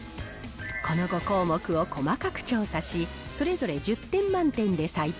この５項目を細かく調査し、それぞれ１０点満点で採点。